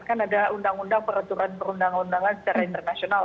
kan ada peraturan perundang undangan secara internasional